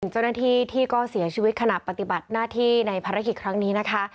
เจ้าหน้าที่ที่ก็เสียชีวิตขณะปฏิบัติหน้าที่ในภารกิจครั้งนี้นะคะ